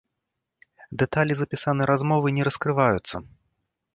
Дэталі запісанай размовы не раскрываюцца.